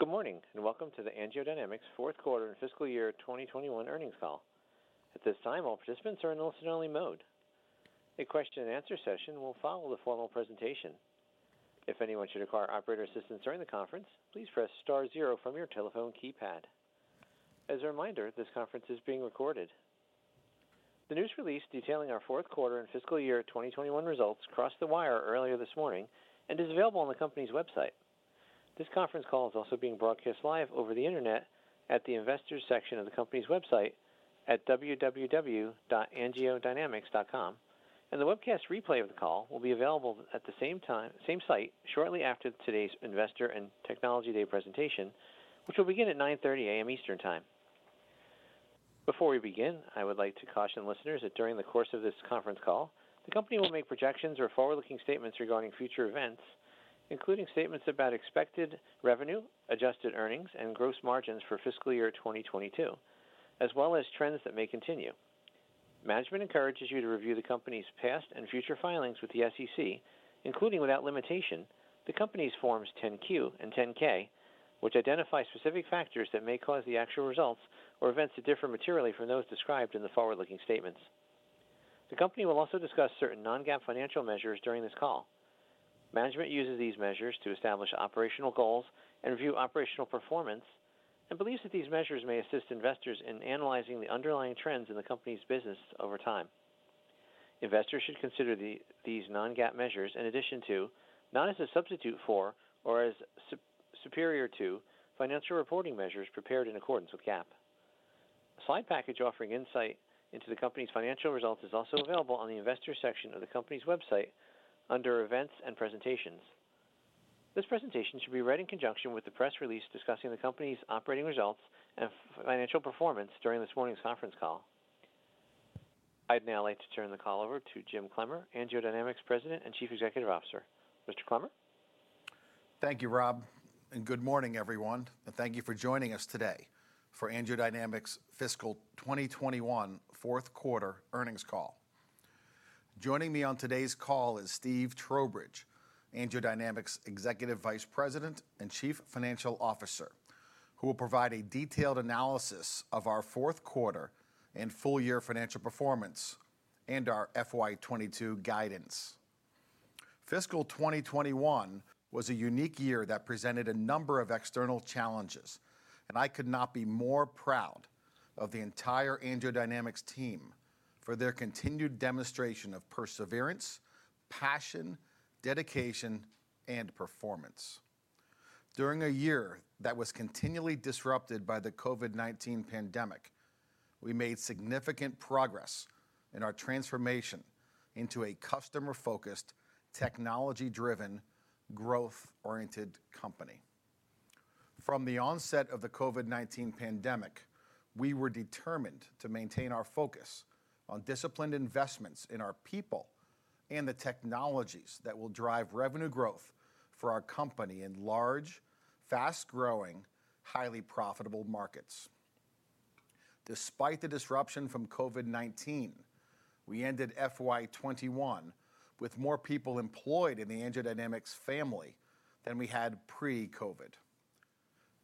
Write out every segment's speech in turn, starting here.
Good morning. Welcome to AngioDynamics fourth quarter and fiscal year 2021 earnings call. At this time, all participants are on listen-only mode. Question-and-answer session will follow the formal presentation. If anyone should require operator assistance during the conference, please press star zero from your telephone keypad. As a reminder, this conference is being recorded. The news release detailing our fourth quarter and fiscal year 2021 results crossed the wire earlier this morning and is available on the company's website. This conference call is also being broadcast live over the internet at the Investors section of the company's website at www.angiodynamics.com, and the webcast replay of the call will be available at the same site shortly after today's Investor and Technology Day presentation, which will begin at 9:30 A.M. Eastern Time. Before we begin, I would like to caution listeners that during the course of this conference call, the company will make projections or forward-looking statements regarding future events, including statements about expected revenue, adjusted earnings, and gross margins for fiscal year 2022, as well as trends that may continue. Management encourages you to review the company's past and future filings with the SEC, including without limitation, the company's Forms 10-Q and 10-K, which identify specific factors that may cause the actual results or events to differ materially from those described in the forward-looking statements. The company will also discuss certain non-GAAP financial measures during this call. Management uses these measures to establish operational goals and review operational performance and believes that these measures may assist investors in analyzing the underlying trends in the company's business over time. Investors should consider these non-GAAP measures in addition to, not as a substitute for, or as superior to financial reporting measures prepared in accordance with GAAP. A slide package offering insight into the company's financial results is also available on the Investors section of the company's website under Events and Presentations. This presentation should be read in conjunction with the press release discussing the company's operating results and financial performance during this morning's conference call. I'd now like to turn the call over to Jim Clemmer, AngioDynamics President and Chief Executive Officer. Mr. Clemmer? Thank you, Rob, good morning, everyone, and thank you for joining us today for AngioDynamics' fiscal 2021 fourth quarter earnings call. Joining me on today's call is Steve Trowbridge, AngioDynamics' Executive Vice President and Chief Financial Officer, who will provide a detailed analysis of our fourth quarter and full-year financial performance and our FY 2022 guidance. Fiscal 2021 was a unique year that presented a number of external challenges. I could not be more proud of the entire AngioDynamics team for their continued demonstration of perseverance, passion, dedication, and performance. During a year that was continually disrupted by the COVID-19 pandemic, we made significant progress in our transformation into a customer-focused, technology-driven, growth-oriented company. From the onset of the COVID-19 pandemic, we were determined to maintain our focus on disciplined investments in our people and the technologies that will drive revenue growth for our company in large, fast-growing, highly profitable markets. Despite the disruption from COVID-19, we ended FY 2021 with more people employed in the AngioDynamics family than we had pre-COVID.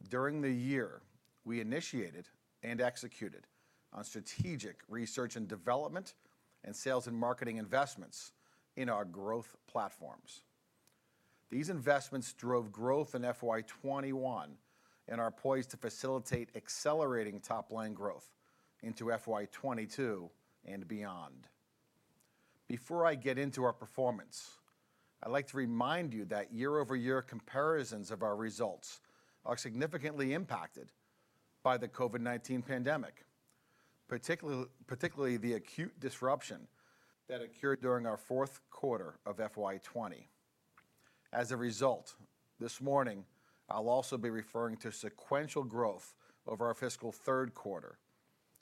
During the year, we initiated and executed on strategic research and development and sales and marketing investments in our growth platforms. These investments drove growth in FY 2021 and are poised to facilitate accelerating top-line growth into FY 2022 and beyond. Before I get into our performance, I'd like to remind you that year-over-year comparisons of our results are significantly impacted by the COVID-19 pandemic, particularly the acute disruption that occurred during our fourth quarter of FY 2020. As a result, this morning, I'll also be referring to sequential growth of our fiscal third quarter,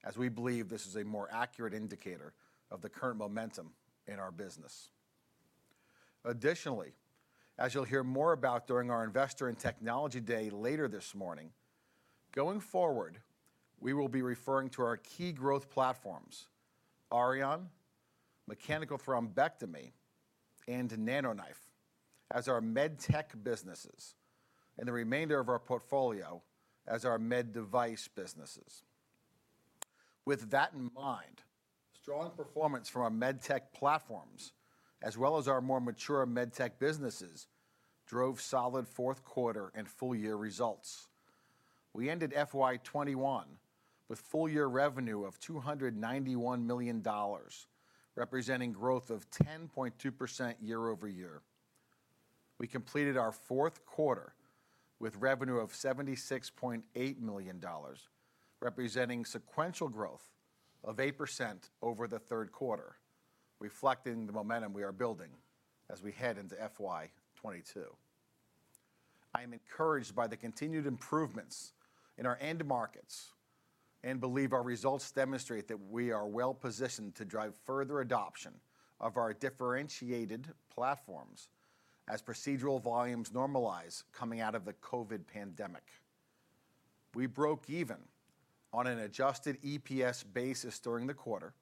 as we believe this is a more accurate indicator of the current momentum in our business. Additionally, as you'll hear more about during our Investor and Technology Day later this morning, going forward, we will be referring to our key growth platforms, Auryon, mechanical thrombectomy, and NanoKnife as our medtech businesses, and the remainder of our portfolio as our med device businesses. With that in mind, strong performance from our medtech platforms, as well as our more mature medtech businesses, drove solid fourth quarter and full-year results. We ended FY 2021 with full-year revenue of $291 million, representing growth of 10.2% year-over-year. We completed our fourth quarter with revenue of $76.8 million, representing sequential growth of 8% over the third quarter, reflecting the momentum we are building as we head into FY 2022. I am encouraged by the continued improvements in our end markets and believe our results demonstrate that we are well positioned to drive further adoption of our differentiated platforms as procedural volumes normalize coming out of the COVID pandemic. We broke even on an adjusted EPS basis during the quarter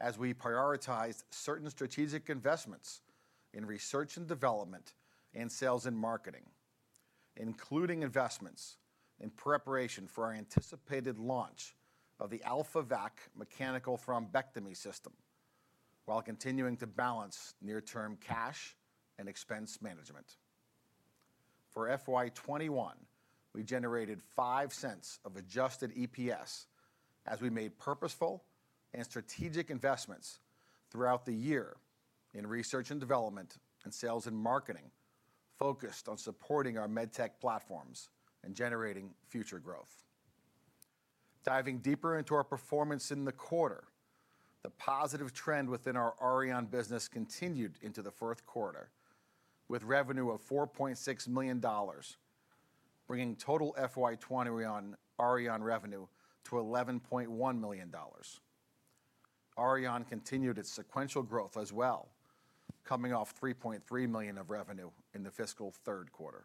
as we prioritized certain strategic investments in research and development and sales and marketing, including investments in preparation for our anticipated launch of the AlphaVac mechanical thrombectomy system, while continuing to balance near-term cash and expense management. For FY 2021, we generated $0.05 of adjusted EPS as we made purposeful and strategic investments throughout the year in research and development and sales and marketing focused on supporting our medtech platforms and generating future growth. Diving deeper into our performance in the quarter, the positive trend within our Auryon business continued into the fourth quarter, with revenue of $4.6 million, bringing total FY 2020 Auryon revenue to $11.1 million. Auryon continued its sequential growth as well, coming off $3.3 million of revenue in the fiscal third quarter.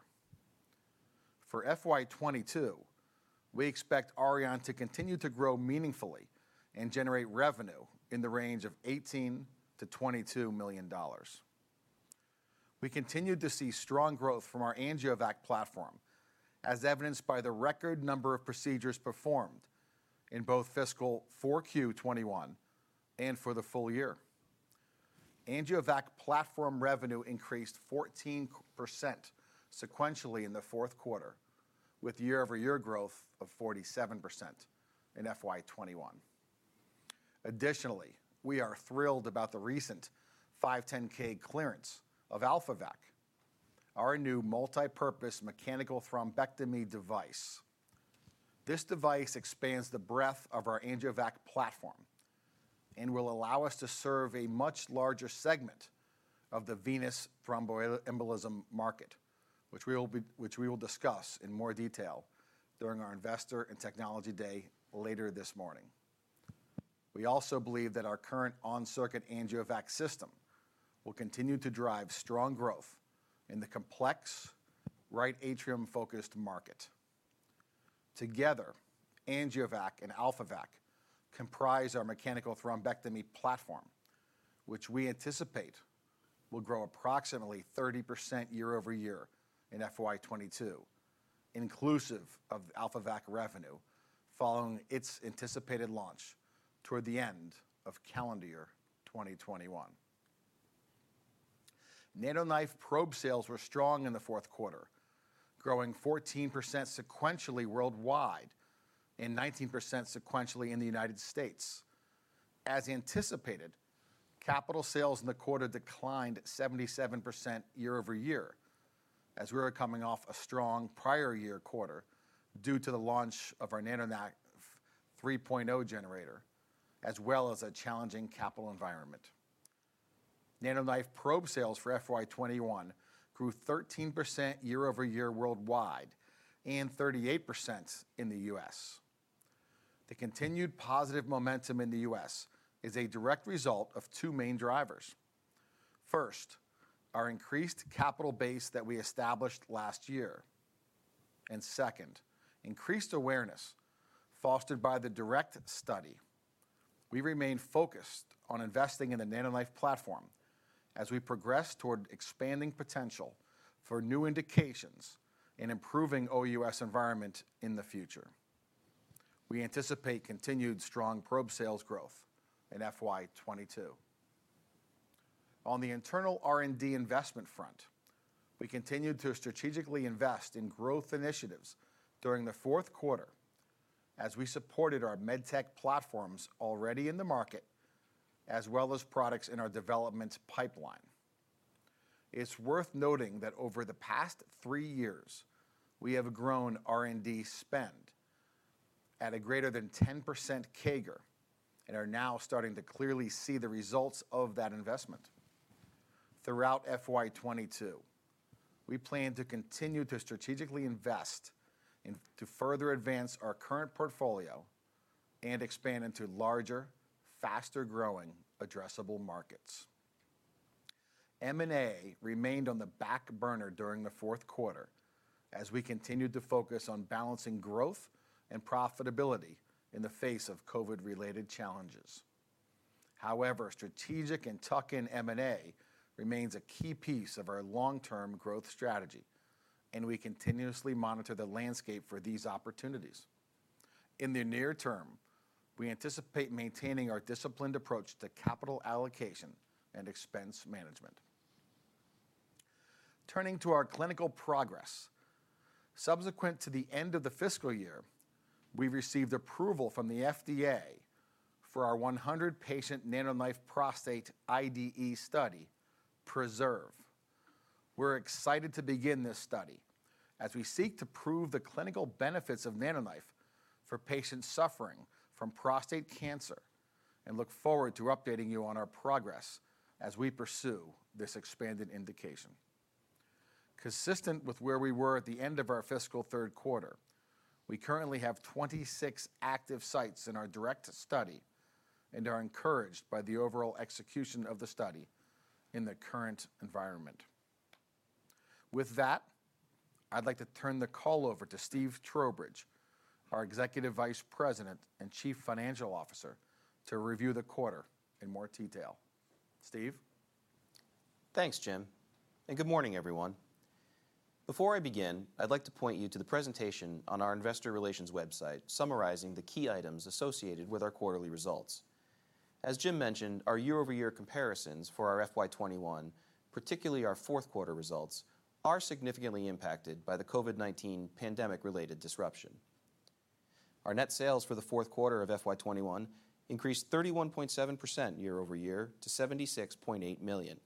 For FY 2022, we expect Auryon to continue to grow meaningfully and generate revenue in the range of $18 million-$22 million. We continued to see strong growth from our AngioVac platform, as evidenced by the record number of procedures performed in both fiscal 4Q 2021 and for the full year. AngioVac platform revenue increased 14% sequentially in the fourth quarter, with year-over-year growth of 47% in FY 2021. We are thrilled about the recent 510 clearance of AlphaVac, our new multipurpose mechanical thrombectomy device. This device expands the breadth of our AngioVac platform and will allow us to serve a much larger segment of the venous thromboembolism market, which we will discuss in more detail during our Investor and Technology Day later this morning. We also believe that our current on-circuit AngioVac system will continue to drive strong growth in the complex right atrium-focused market. Together, AngioVac and AlphaVac comprise our mechanical thrombectomy platform, which we anticipate will grow approximately 30% year-over-year in FY 2022, inclusive of AlphaVac revenue following its anticipated launch toward the end of calendar year 2021. NanoKnife probe sales were strong in the fourth quarter, growing 14% sequentially worldwide and 19% sequentially in the U.S.. As anticipated, capital sales in the quarter declined at 77% year-over-year as we were coming off a strong prior year quarter due to the launch of our NanoKnife 3.0 generator, as well as a challenging capital environment. NanoKnife probe sales for FY 2021 grew 13% year-over-year worldwide and 38% in the U.S.. The continued positive momentum in the U.S. is a direct result of two main drivers. First, our increased capital base that we established last year, and second, increased awareness fostered by the DIRECT study. We remain focused on investing in the NanoKnife platform as we progress toward expanding potential for new indications and improving OUS environment in the future. We anticipate continued strong probe sales growth in FY 2022. On the internal R&D investment front, we continued to strategically invest in growth initiatives during the fourth quarter as we supported our medtech platforms already in the market, as well as products in our development pipeline. It's worth noting that over the past three years, we have grown R&D spend at a greater than 10% CAGR and are now starting to clearly see the results of that investment. Throughout FY 2022, we plan to continue to strategically invest to further advance our current portfolio and expand into larger, faster-growing addressable markets. M&A remained on the back burner during the fourth quarter as we continued to focus on balancing growth and profitability in the face of COVID-related challenges. However, strategic and tuck-in M&A remains a key piece of our long-term growth strategy, and we continuously monitor the landscape for these opportunities. In the near term, we anticipate maintaining our disciplined approach to capital allocation and expense management. Turning to our clinical progress, subsequent to the end of the fiscal year, we received approval from the FDA for our 100-patient NanoKnife prostate IDE study, PRESERVE. We're excited to begin this study as we seek to prove the clinical benefits of NanoKnife for patients suffering from prostate cancer and look forward to updating you on our progress as we pursue this expanded indication. Consistent with where we were at the end of our fiscal third quarter, we currently have 26 active sites in our DIRECT study and are encouraged by the overall execution of the study in the current environment. With that, I'd like to turn the call over to Steve Trowbridge, our Executive Vice President and Chief Financial Officer, to review the quarter in more detail. Steve? Thanks, Jim. Good morning, everyone. Before I begin, I'd like to point you to the presentation on our investor relations website summarizing the key items associated with our quarterly results. As Jim mentioned, our year-over-year comparisons for our FY 2021, particularly our fourth quarter results, are significantly impacted by the COVID-19 pandemic related disruption. Our net sales for the fourth quarter of FY 2021 increased 31.7% year-over-year to $76.8 million.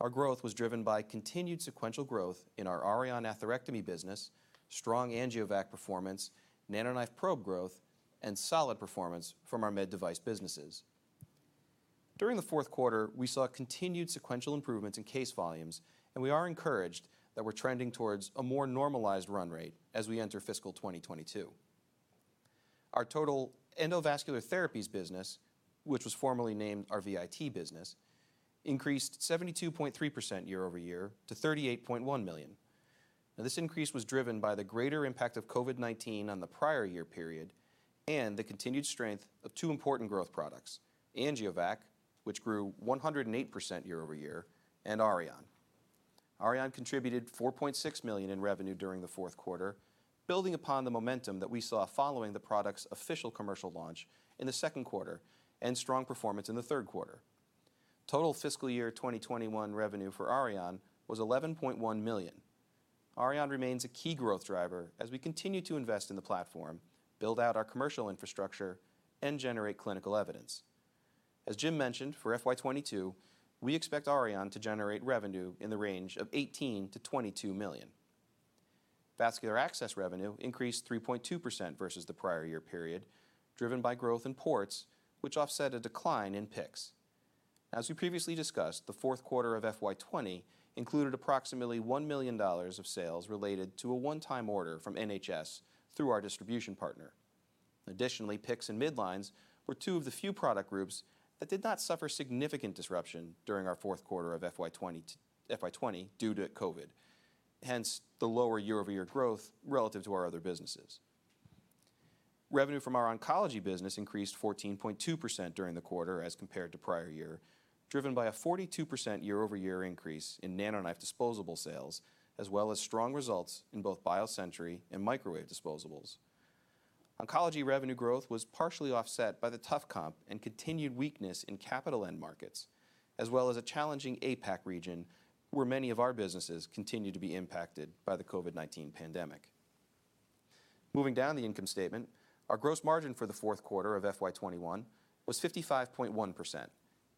Our growth was driven by continued sequential growth in our Auryon atherectomy business, strong AngioVac performance, NanoKnife probe growth, and solid performance from our med device businesses. During the fourth quarter, we saw continued sequential improvements in case volumes. We are encouraged that we're trending towards a more normalized run rate as we enter fiscal 2022. Our total endovascular therapies business, which was formerly named our VIT business, increased 72.3% year-over-year to $38.1 million. This increase was driven by the greater impact of COVID-19 on the prior year period and the continued strength of two important growth products, AngioVac, which grew 108% year-over-year, and Auryon. Auryon contributed $4.6 million in revenue during the fourth quarter, building upon the momentum that we saw following the product's official commercial launch in the second quarter and strong performance in the third quarter. Total fiscal year 2021 revenue for Auryon was $11.1 million. Auryon remains a key growth driver as we continue to invest in the platform, build out our commercial infrastructure, and generate clinical evidence. As Jim mentioned, for FY 2022, we expect Auryon to generate revenue in the range of $18 million-$22 million. Vascular access revenue increased 3.2% versus the prior year period, driven by growth in ports, which offset a decline in PICCs. As we previously discussed, the fourth quarter of FY 2020 included approximately $1 million of sales related to a one-time order from NHS through our distribution partner. Additionally, PICCs and midlines were two of the few product groups that did not suffer significant disruption during our fourth quarter of FY 2020 due to COVID-19, hence the lower year-over-year growth relative to our other businesses. Revenue from our oncology business increased 14.2% during the quarter as compared to prior year, driven by a 42% year-over-year increase in NanoKnife disposable sales, as well as strong results in both BioSentry and microwave disposables. Oncology revenue growth was partially offset by the tough comp and continued weakness in capital end markets, as well as a challenging APAC region where many of our businesses continue to be impacted by the COVID-19 pandemic. Moving down the income statement, our gross margin for the fourth quarter of FY 2021 was 55.1%,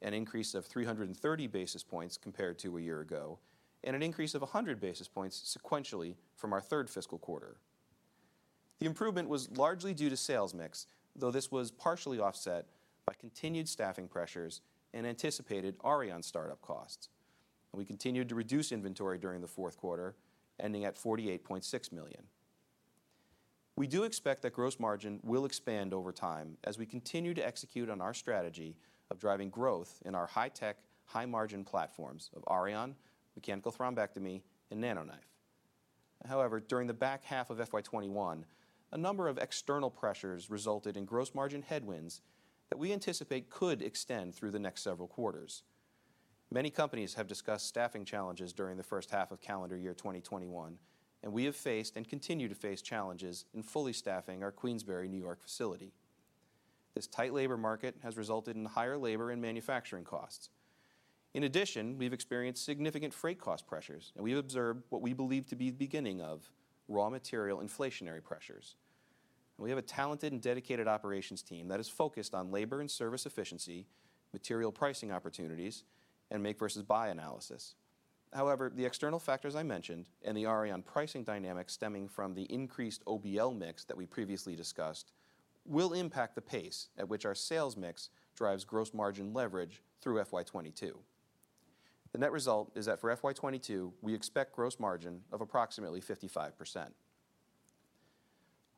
an increase of 330 basis points compared to a year ago. An increase of 100 basis points sequentially from our third fiscal quarter. The improvement was largely due to sales mix, though this was partially offset by continued staffing pressures and anticipated Auryon startup costs. We continued to reduce inventory during the fourth quarter, ending at $48.6 million. We do expect that gross margin will expand over time as we continue to execute on our strategy of driving growth in our high-tech, high-margin platforms of Auryon, mechanical thrombectomy, and NanoKnife. However, during the back half of FY 2021, a number of external pressures resulted in gross margin headwinds that we anticipate could extend through the next several quarters. Many companies have discussed staffing challenges during the first half of calendar year 2021, and we have faced and continue to face challenges in fully staffing our Queensbury, New York facility. This tight labor market has resulted in higher labor and manufacturing costs. In addition, we've experienced significant freight cost pressures, and we observed what we believe to be the beginning of raw material inflationary pressures. We have a talented and dedicated operations team that is focused on labor and service efficiency, material pricing opportunities, and make versus buy analysis. However, the external factors I mentioned and the Auryon pricing dynamics stemming from the increased OBL mix that we previously discussed will impact the pace at which our sales mix drives gross margin leverage through FY 2022. The net result is that for FY 2022, we expect gross margin of approximately 55%.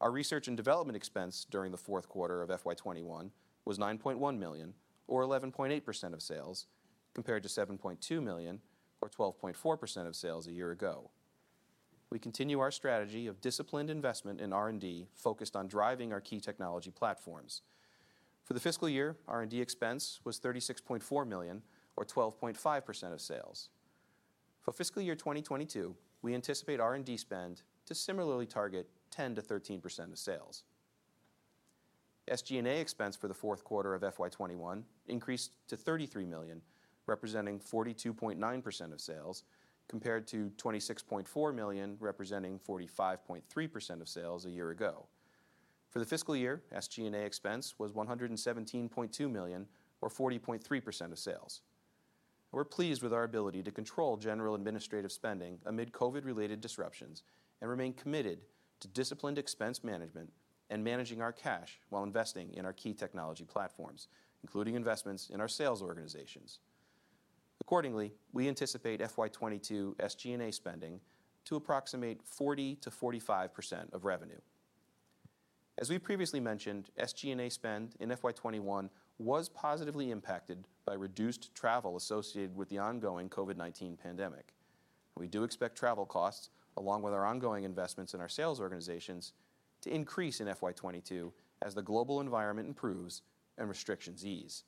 Our research and development expense during the fourth quarter of FY 2021 was $9.1 million, or 11.8% of sales, compared to $7.2 million, or 12.4% of sales a year ago. We continue our strategy of disciplined investment in R&D focused on driving our key technology platforms. For the fiscal year, R&D expense was $36.4 million, or 12.5% of sales. For fiscal year 2022, we anticipate R&D spend to similarly target 10%-13% of sales. SG&A expense for the fourth quarter of FY 2021 increased to $33 million, representing 42.9% of sales, compared to $26.4 million representing 45.3% of sales a year ago. For the fiscal year, SG&A expense was $117.2 million, or 40.3% of sales. We're pleased with our ability to control general administrative spending amid COVID-related disruptions, and remain committed to disciplined expense management and managing our cash while investing in our key technology platforms, including investments in our sales organizations. Accordingly, we anticipate FY 2022 SG&A spending to approximate 40%-45% of revenue. As we previously mentioned, SG&A spend in FY 2021 was positively impacted by reduced travel associated with the ongoing COVID-19 pandemic. We do expect travel costs, along with our ongoing investments in our sales organizations, to increase in FY 2022 as the global environment improves and restrictions ease.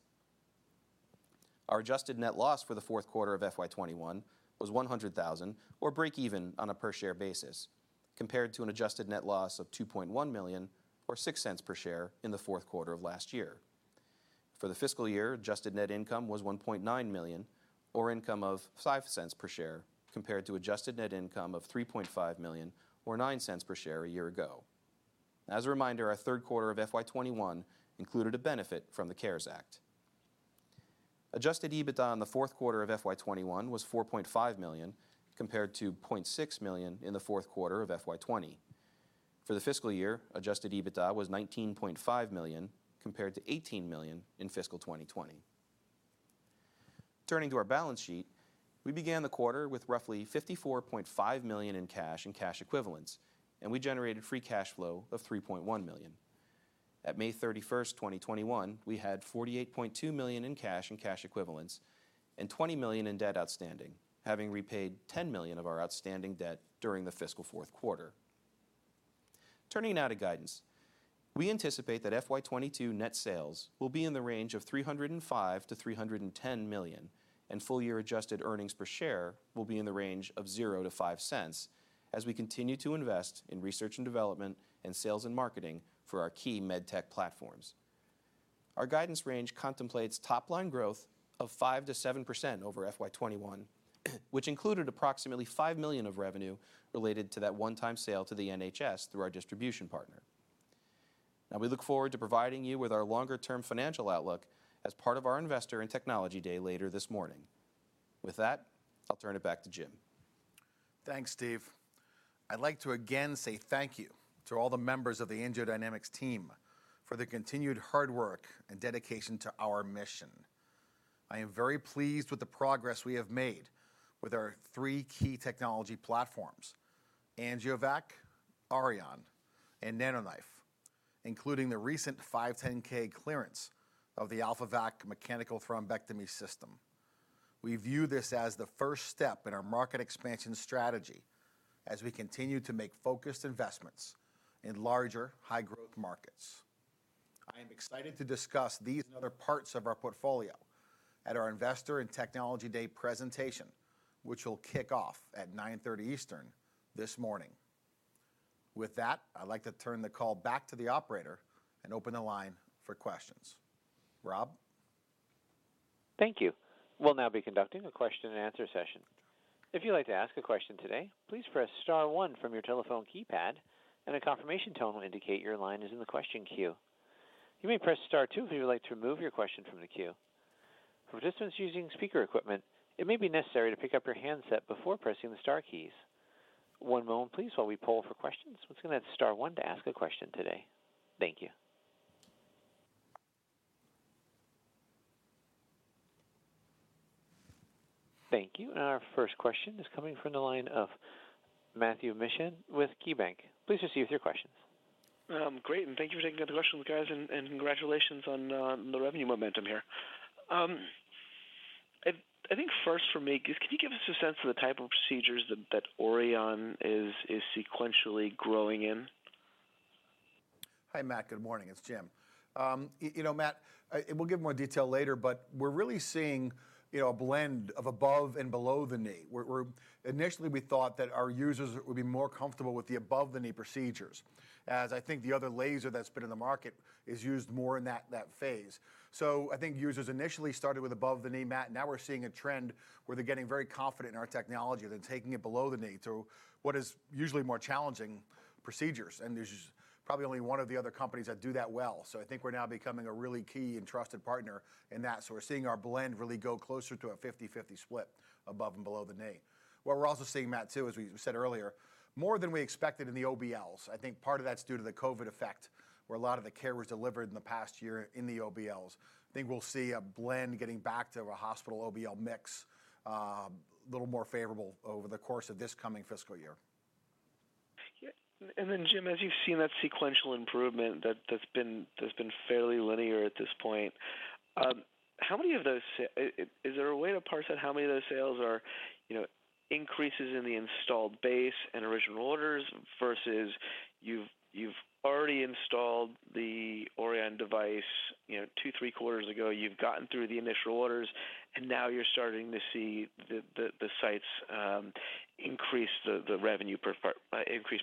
Our adjusted net loss for the fourth quarter of FY 2021 was $100,000, or breakeven on a per share basis, compared to an adjusted net loss of $2.1 million, or $0.06 per share in the fourth quarter of last year. For the fiscal year, adjusted net income was $1.9 million, or income of $0.05 per share, compared to adjusted net income of $3.5 million, or $0.09 per share a year ago. As a reminder, our third quarter of FY 2021 included a benefit from the CARES Act. Adjusted EBITDA in the fourth quarter of FY 2021 was $4.5 million, compared to $2.6 million in the fourth quarter of FY 2020. For the fiscal year, adjusted EBITDA was $19.5 million, compared to $18 million in fiscal 2020. Turning to our balance sheet, we began the quarter with roughly $54.5 million in cash and cash equivalents, and we generated free cash flow of $3.1 million. At May 31st, 2021, we had $48.2 million in cash and cash equivalents and $20 million in debt outstanding, having repaid $10 million of our outstanding debt during the fiscal fourth quarter. Turning now to guidance, we anticipate that FY 2022 net sales will be in the range of $305 million-$310 million, and full-year adjusted earnings per share will be in the range of $0.00-$0.05. As we continue to invest in research and development and sales and marketing for our key medtech platforms. Our guidance range contemplates top-line growth of 5%-7% over FY 2021, which included approximately $5 million of revenue related to that one-time sale to the NHS through our distribution partner. We look forward to providing you with our longer-term financial outlook as part of our Investor and Technology Day later this morning. With that, I'll turn it back to Jim. Thanks, Steve. I’d like to again say thank you to all the members of the AngioDynamics team for their continued hard work and dedication to our mission. I am very pleased with the progress we have made with our three key technology platforms, AngioVac, Auryon, and NanoKnife, including the recent 510(k) clearance of the AlphaVac mechanical thrombectomy system. We view this as the first step in our market expansion strategy as we continue to make focused investments in larger, high-growth markets. I am excited to discuss these and other parts of our portfolio at our Investor and Technology Day presentation, which will kick off at 9:30 Eastern this morning. With that, I’d like to turn the call back to the operator and open the line for questions. Rob? Thank you. We'll now be conducting a question-and-answer session. If you would like to ask a question today, please press star one from your telephone keypad and a confirmation tone will indicate your line is in the question queue. You may press star two if you would like to remove your question from the queue. This time using speaker equipment, it may be necessary to pick up your handset before pressing the star keys. One moment please while we poll for questions. Once again, that's star one to ask a question today. Thank you. Thank you. Our first question is coming from the line of Matthew Mishan with KeyBanc. Please proceed with your questions. Great, thank you for taking the question, guys, and congratulations on the revenue momentum here. I think first for me, can you give us a sense of the type of procedures that Auryon is sequentially growing in? Hi, Matt. Good morning. It's Jim. Matt, we'll give more detail later, but we're really seeing a blend of above and below the knee, where initially we thought that our users would be more comfortable with the above-the-knee procedures, as I think the other laser that's been in the market is used more in that phase. I think users initially started with above-the-knee, Matt. Now we're seeing a trend where they're getting very confident in our technology. They're taking it below the knee, what is usually more challenging procedures, and there's probably only one of the other companies that do that well. I think we're now becoming a really key and trusted partner in that. We're seeing our blend really go closer to a 50/50 split above and below the knee. What we're also seeing, Matt, too, as we said earlier, more than we expected in the OBLs. I think part of that's due to the COVID effect, where a lot of the care was delivered in the past year in the OBLs. I think we'll see a blend getting back to a hospital OBL mix a little more favorable over the course of this coming fiscal year. Yeah. Jim, as you've seen that sequential improvement that's been fairly linear at this point, is there a way to parse out how many of those sales are increases in the installed base and original orders versus you've already installed the Auryon device two, three quarters ago, you've gotten through the initial orders, and now you're starting to see the sites increase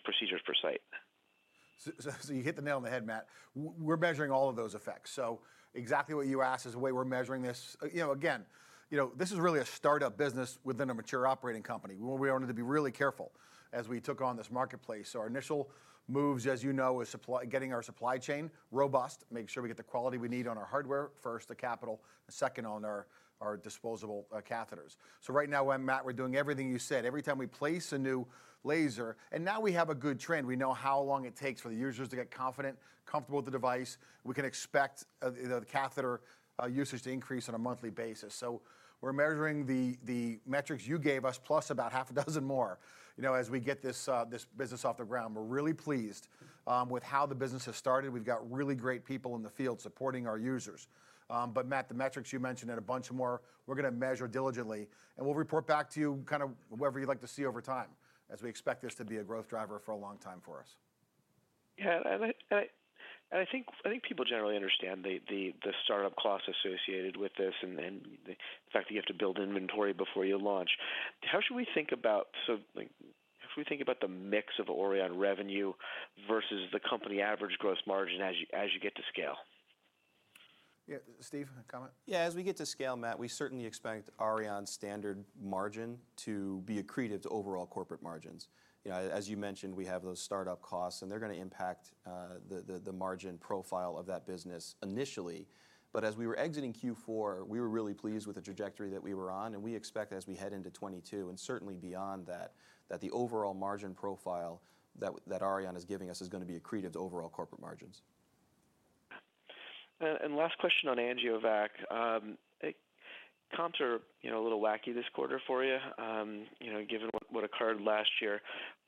procedures per site? You hit the nail on the head, Matt. We're measuring all of those effects. Exactly what you asked is the way we're measuring this. Again, this is really a startup business within a mature operating company. We wanted to be really careful as we took on this marketplace. Our initial moves, as you know, is getting our supply chain robust, make sure we get the quality we need on our hardware first, the capital second on our disposable catheters. Right now, Matt, we're doing everything you said. Every time we place a new laser, and now we have a good trend. We know how long it takes for the users to get confident, comfortable with the device. We can expect the catheter usage to increase on a monthly basis. We're measuring the metrics you gave us, plus about half a dozen more as we get this business off the ground. We're really pleased with how the business has started. We've got really great people in the field supporting our users. Matt, the metrics you mentioned and a bunch more, we're going to measure diligently, and we'll report back to you whatever you'd like to see over time, as we expect this to be a growth driver for a long time for us. I think people generally understand the startup costs associated with this and the fact that you have to build inventory before you launch. How should we think about the mix of Auryon revenue versus the company average gross margin as you get to scale? Yeah. Steve, comment? As we get to scale, Matt, we certainly expect Auryon standard margin to be accretive to overall corporate margins. As you mentioned, we have those startup costs, and they're going to impact the margin profile of that business initially. As we were exiting Q4, we were really pleased with the trajectory that we were on, and we expect as we head into 2022, and certainly beyond that the overall margin profile that Auryon is giving us is going to be accretive to overall corporate margins. Last question on AngioVac. Comps are a little wacky this quarter for you given what occurred last year.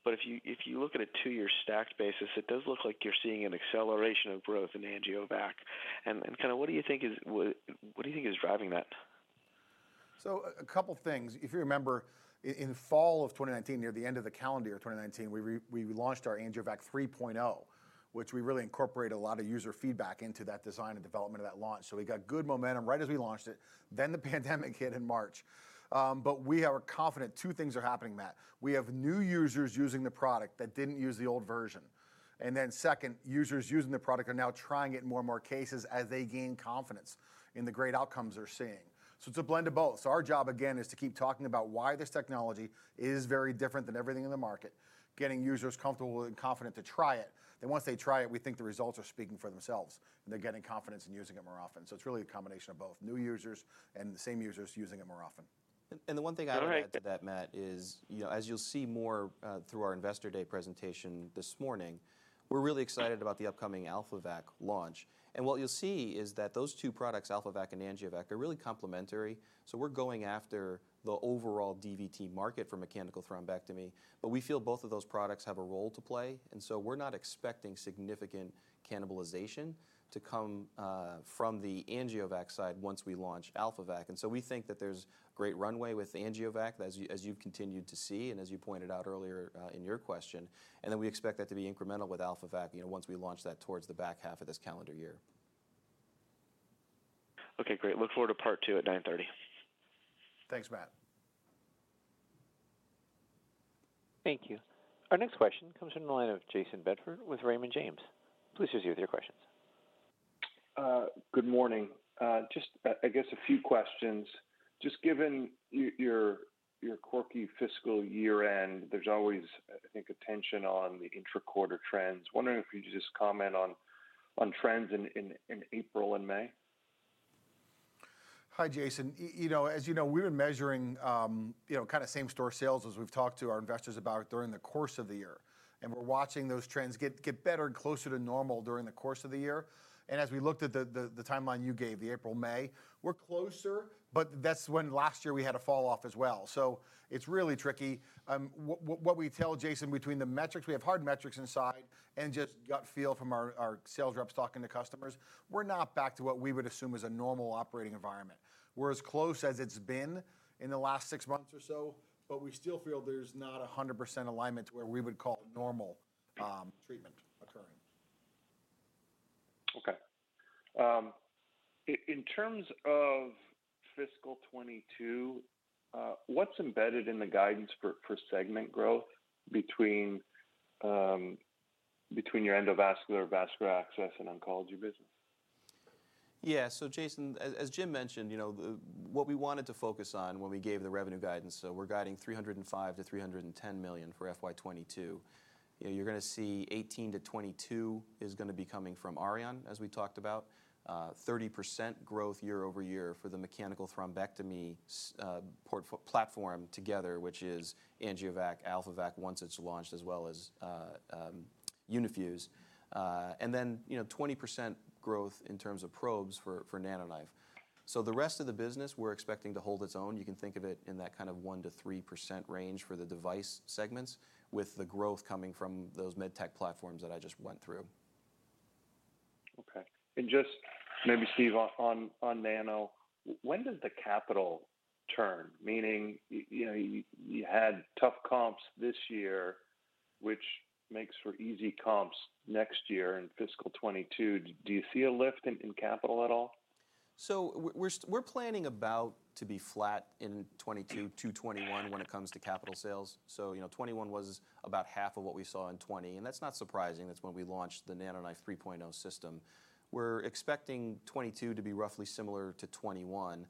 If you look at a two-year stack basis, it does look like you're seeing an acceleration of growth in AngioVac. What do you think is driving that? A couple of things. If you remember, in fall of 2019, near the end of the calendar year 2019, we launched our AngioVac 3.0, which we really incorporate a lot of user feedback into that design and development at launch. We got good momentum right as we launched it, then the pandemic hit in March. We are confident two things are happening, Matt. We have new users using the product that didn't use the old version. Second, users using the product are now trying it in more and more cases as they gain confidence in the great outcomes they're seeing. It's a blend of both. Our job, again, is to keep talking about why this technology is very different than everything in the market, getting users comfortable and confident to try it. Once they try it, we think the results are speaking for themselves, and they're getting confidence in using them more often. It's really a combination of both new users and the same users using them more often. The one thing I'd add to that, Matt, is as you'll see more through our Investor Day presentation this morning, we're really excited about the upcoming AlphaVac launch. What you'll see is that those two products, AlphaVac and AngioVac, are really complimentary. So we're going after the overall DVT market for mechanical thrombectomy, but we feel both of those products have a role to play. We're not expecting significant cannibalization to come from the AngioVac side once we launch AlphaVac. We think that there's great runway with AngioVac as you continue to see and as you pointed out earlier in your question. We expect that to be incremental with AlphaVac, once we launch that towards the back half of this calendar year. Okay, great. Look forward to part two at 9:30. Thanks, Matt. Thank you. Our next question comes from the line of Jayson Bedford with Raymond James. Please proceed with your questions. Good morning. Just, I guess a few questions. Given your quirky fiscal year-end, there's always, I think, attention on the intra-quarter trends. I am wondering if you could just comment on trends in April and May? Hi, Jayson. As you know, we were measuring same store sales as we've talked to our investors about it during the course of the year. We're watching those trends get better and closer to normal during the course of the year. As we looked at the timeline you gave, April, May, we're closer, but that's when last year we had a fall off as well. It's really tricky. What we tell Jayson, between the metrics, we have hard metrics inside and just gut feel from our sales reps talking to customers. We're not back to what we would assume is a normal operating environment. We're as close as it's been in the last six months or so, but we still feel there's not 100% alignment to where we would call it normal treatment occurring. Okay. In terms of fiscal 2022, what's embedded in the guidance for segment growth between your endovascular, vascular access, and oncology business? Jayson, as Jim mentioned, what we wanted to focus on when we gave the revenue guidance, we're guiding $305 million-$310 million for FY 2022. You're going to see $18 million-$22 million is going to be coming from Auryon, as we talked about. 30% growth year-over-year for the mechanical thrombectomy platform together, which is AngioVac, AlphaVac once it's launched, as well as Uni-Fuse. 20% growth in terms of probes for NanoKnife. The rest of the business we're expecting to hold its own. You can think of it in that kind of 1%-3% range for the device segments with the growth coming from those medtech platforms that I just went through. Okay. Just maybe, Steve, on Nano, when does the capital turn? Meaning, you had tough comps this year, which makes for easy comps next year in FY 2022. Do you see a lift in capital at all? We're planning about to be flat in 2022-2021 when it comes to capital sales. 2021 was about half of what we saw in 2020, and that's not surprising. That's when we launched the NanoKnife 3.0 system. We're expecting 2022 to be roughly similar to 2021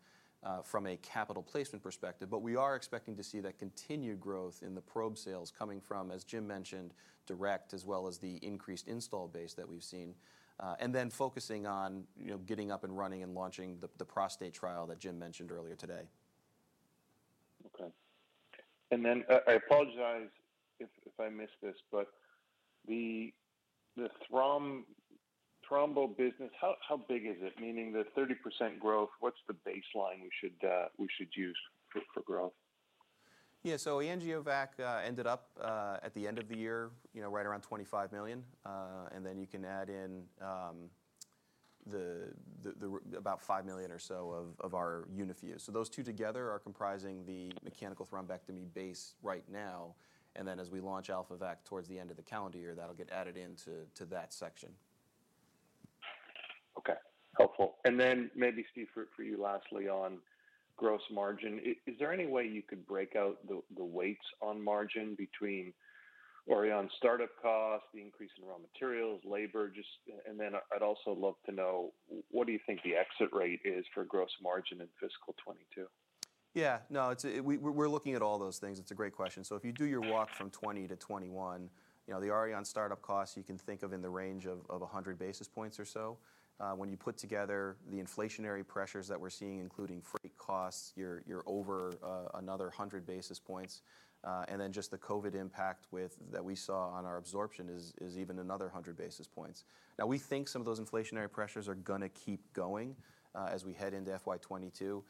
from a capital placement perspective, but we are expecting to see that continued growth in the probe sales coming from, as Jim mentioned, DIRECT as well as the increased install base that we've seen. Focusing on getting up and running and launching the prostate trial that Jim mentioned earlier today. Okay. Then I apologize if I missed this, but the thrombo business, how big is it? Meaning the 30% growth, what's the baseline we should use for growth? Yeah. AngioVac ended up at the end of the year, right around $25 million. You can add in the about $5 million or so of our Uni-Fuse. Those two together are comprising the mechanical thrombectomy base right now. As we launch AlphaVac towards the end of the calendar year, that'll get added into that section. Okay. Helpful. Then maybe Steve, for you lastly on gross margin. Is there any way you could break out the weights on margin between Auryon startup cost, the increase in raw materials, labor? Then I'd also love to know what you think the exit rate is for gross margin in fiscal 2022. Yeah, no, we're looking at all those things. It's a great question. If you do your walk from 2020-2021, the Auryon startup cost, you can think of in the range of 100 basis points or so. When you put together the inflationary pressures that we're seeing, including freight costs, you're over another 100 basis points. Just the COVID impact that we saw on our absorption is even another 100 basis points. We think some of those inflationary pressures are going to keep going as we head into FY 2022.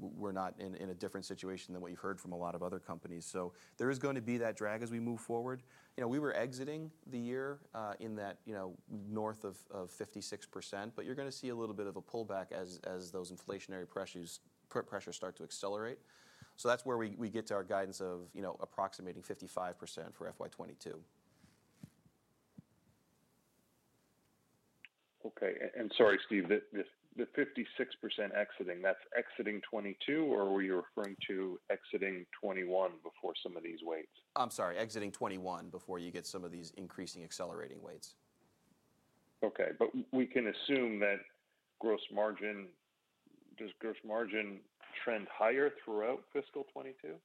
We're not in a different situation than what you've heard from a lot of other companies. There is going to be that drag as we move forward. We were exiting the year in that north of 56%, you're going to see a little bit of a pullback as those inflationary pressures start to accelerate. That's where we get to our guidance of approximating 55% for FY 2022. Okay. Sorry, Steve, the 56% exiting, that's exiting 2022, or were you referring to exiting 2021 before some of these weights? I'm sorry, exiting 2021 before you get some of these increasing accelerating rates. Okay. We can assume that does gross margin trend higher throughout fiscal 2022?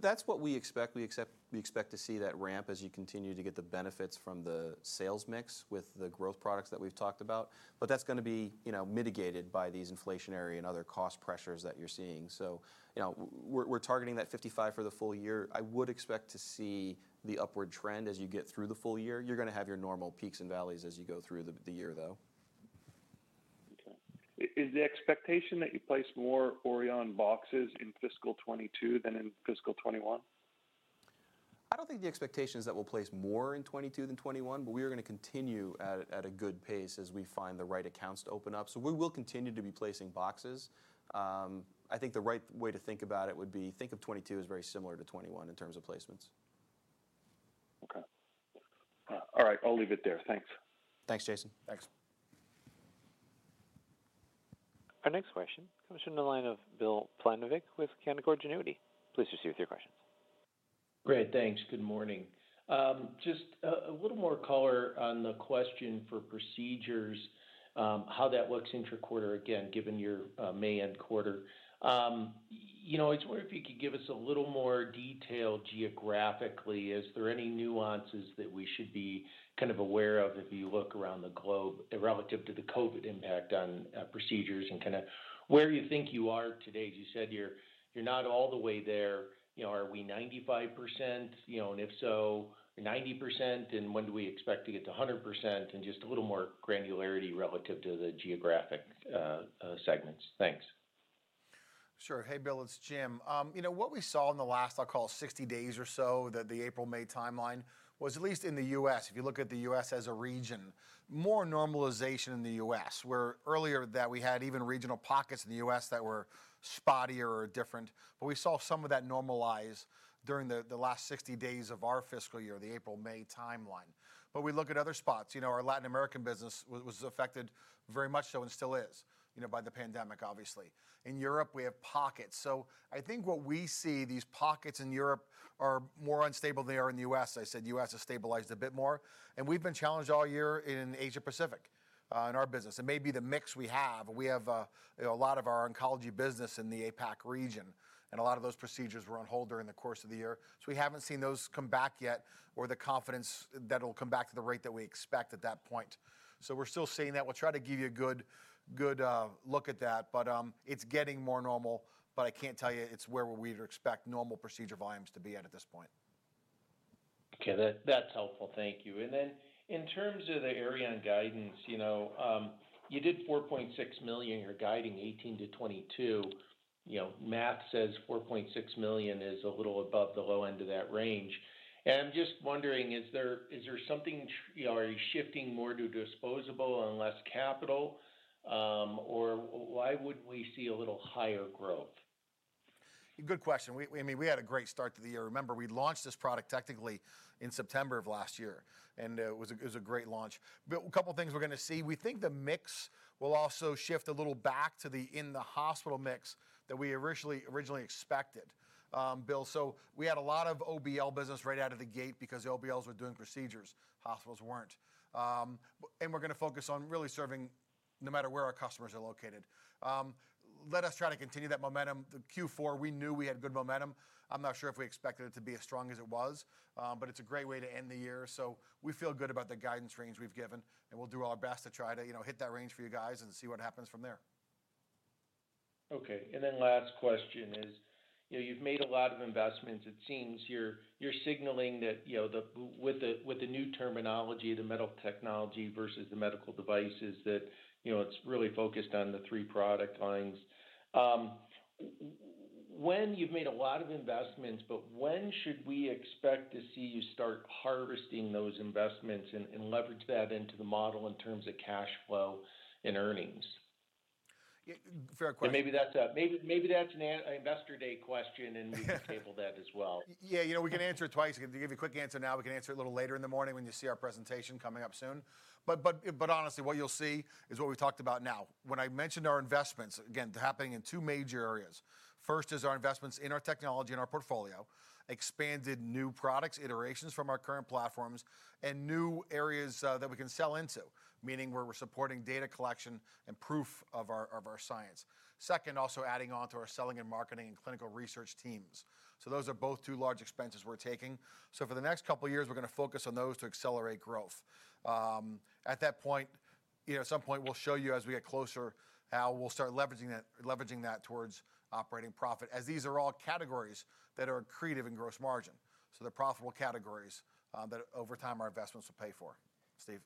That's what we expect. We expect to see that ramp as you continue to get the benefits from the sales mix with the growth products that we've talked about. That's going to be mitigated by these inflationary and other cost pressures that you're seeing. We're targeting that 55 for the full year. I would expect to see the upward trend as you get through the full year. You're going to have your normal peaks and valleys as you go through the year, though. Okay. Is the expectation that you place more Auryon boxes in fiscal 2022 than in fiscal 2021? I don't think the expectation is that we'll place more in 2022 than 2021, but we are going to continue at a good pace as we find the right accounts to open up. We will continue to be placing boxes. I think the right way to think about it would be think of 2022 as very similar to 2021 in terms of placements. Okay. All right. I'll leave it there. Thanks. Thanks, Jayson. Thanks. Our next question comes from the line of Bill Plovanic with Canaccord Genuity. Please proceed with your question. Great. Thanks. Good morning. Just a little more color on the question for procedures, how that looks intra-quarter again, given your May end quarter. I was wondering if you could give us a little more detail geographically. Is there any nuances that we should be kind of aware of if you look around the globe relative to the COVID impact on procedures and kind of where you think you are today? As you said, you're not all the way there. Are we 95%? If so, 90%, and when do we expect to get to 100%? Just a little more granularity relative to the geographic segments. Thanks. Sure. Hey, Bill, it's Jim. What we saw in the last, I'll call 60 days or so, the April, May timeline, was at least in the U.S., if you look at the U.S. as a region, more normalization in the U.S. where earlier that we had even regional pockets in the U.S. that were spottier or different. We saw some of that normalize during the last 60 days of our fiscal year, the April, May timeline. We look at other spots. Our Latin American business was affected very much so, and still is, by the pandemic, obviously. In Europe, we have pockets. I think what we see, these pockets in Europe are more unstable than they are in the U.S. I said the U.S. has stabilized a bit more. We've been challenged all year in Asia Pacific in our business. Maybe the mix we have. We have a lot of our oncology business in the APAC region, and a lot of those procedures were on hold during the course of the year. We haven't seen those come back yet, or the confidence that it'll come back at the rate that we expect at that point. We're still seeing that. We'll try to give you a good look at that, but it's getting more normal, but I can't tell you it's where we'd expect normal procedure volumes to be at at this point. Okay. That's helpful. Thank you. In terms of the Auryon guidance, you did $4.6 million. You're guiding $18 million-$22 million. Math says $4.6 million is a little above the low end of that range. I'm just wondering, are you shifting more to disposable and less capital? Why wouldn't we see a little higher growth? Good question. We had a great start to the year. Remember, we launched this product technically in September of last year, and it was a great launch. Bill, a couple of things we're going to see. We think the mix will also shift a little back to the in the hospital mix that we originally expected. Bill, we had a lot of OBL business right out of the gate because OBLs were doing procedures, hospitals weren't. We're going to focus on really serving no matter where our customers are located. Let us try to continue that momentum. The Q4, we knew we had good momentum. I'm not sure if we expected it to be as strong as it was. It's a great way to end the year. We feel good about the guidance range we've given, and we'll do our best to try to hit that range for you guys and see what happens from there. Okay. Last question is, you've made a lot of investments. It seems you're signaling that with the new terminology, the medical technology versus the medical devices, that it's really focused on the three product lines. You've made a lot of investments, but when should we expect to see you start harvesting those investments and leverage that into the model in terms of cash flow and earnings? Yeah. Maybe that's an Investor Day question and we can table that as well. Yeah. We can answer it twice. We can give you a quick answer now. We can answer it a little later in the morning when you see our presentation coming up soon. Honestly, what you'll see is what we talked about now. When I mentioned our investments, again, they're happening in two major areas. First is our investments in our technology and our portfolio, expanded new products, iterations from our current platforms, and new areas that we can sell into, meaning where we're supporting data collection and proof of our science. Second, also adding on to our selling and marketing and clinical research teams. Those are both two large expenses we're taking. For the next couple of years, we're going to focus on those to accelerate growth. At that point, at some point we'll show you as we get closer how we'll start leveraging that towards operating profit, as these are all categories that are accretive in gross margin. They're profitable categories that over time our investments will pay for. Steve?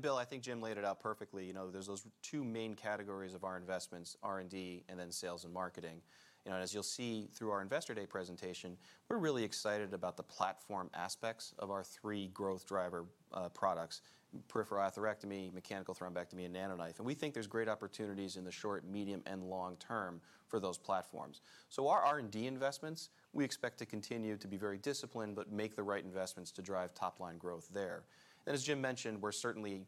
Bill, I think Jim laid it out perfectly. There's those two main categories of our investments, R&D and then sales and marketing. As you'll see through our Investor Day presentation, we're really excited about the platform aspects of our three growth driver products, peripheral atherectomy, mechanical thrombectomy, and NanoKnife. We think there's great opportunities in the short, medium, and long term for those platforms. Our R&D investments, we expect to continue to be very disciplined, but make the right investments to drive top-line growth there. As Jim mentioned, we're certainly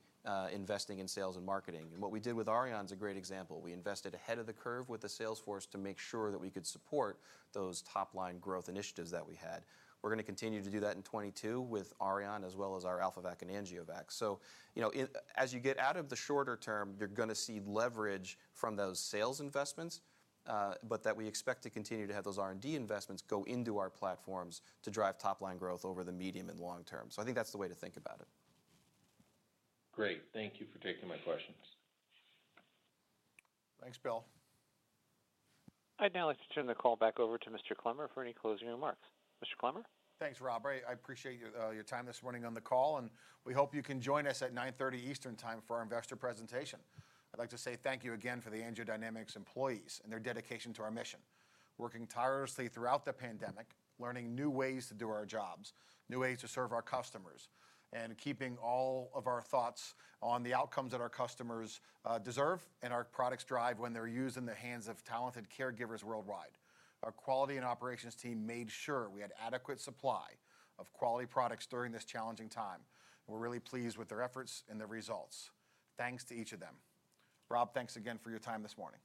investing in sales and marketing. What we did with Auryon's a great example. We invested ahead of the curve with the sales force to make sure that we could support those top-line growth initiatives that we had. We're going to continue to do that in 2022 with Auryon as well as our AlphaVac and AngioVac. As you get out of the shorter term, you're going to see leverage from those sales investments, but that we expect to continue to have those R&D investments go into our platforms to drive top-line growth over the medium and long term. I think that's the way to think about it. Great. Thank you for taking my questions. Thanks, Bill. I'd now like to turn the call back over to Mr. Clemmer for any closing remarks. Mr. Clemmer? Thanks, Rob. I appreciate your time this morning on the call, and we hope you can join us at 9:30 A.M. Eastern Time for our investor presentation. I'd like to say thank you again to the AngioDynamics employees and their dedication to our mission, working tirelessly throughout the pandemic, learning new ways to do our jobs, new ways to serve our customers, and keeping all of our thoughts on the outcomes that our customers deserve and our products drive when they're used in the hands of talented caregivers worldwide. Our quality and operations team made sure we had adequate supply of quality products during this challenging time. We're really pleased with their efforts and the results. Thanks to each of them. Rob, thanks again for your time this morning.